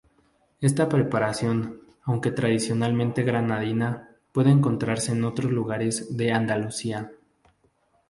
Esta preparación, aunque tradicionalmente granadina, puede encontrarse en otros lugares de Andalucía.